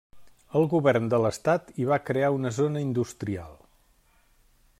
El govern de l'estat hi va crear una zona industrial.